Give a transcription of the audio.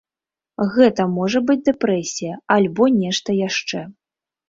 Гэта можа быць дэпрэсія альбо нешта яшчэ.